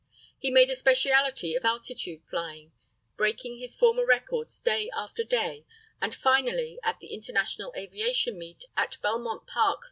He made a specialty of altitude flying, breaking his former records day after day, and finally, at the International Aviation Meet at Belmont Park, L.